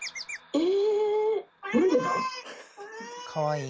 え？